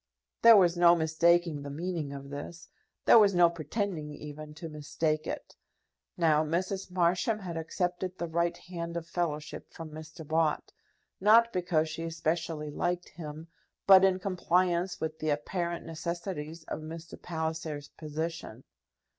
There was no mistaking the meaning of this. There was no pretending even to mistake it. Now, Mrs. Marsham had accepted the right hand of fellowship from Mr. Bott, not because she especially liked him, but in compliance with the apparent necessities of Mr. Palliser's position.